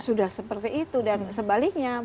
sudah seperti itu dan sebaliknya